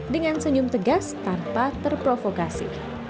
dengan senyum tegas tanpa terprovokasi